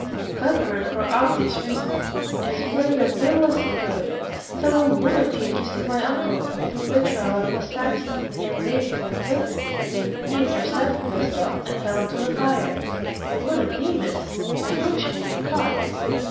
Cuthbert, for obvious reasons, explained as little as he could. "Some old woman came to see my uncle and threw vitriol at Miss Saxon, the young lady who was with him. He intercepted the stuff and fell into the fire." "What a demon! I hope she will be caught."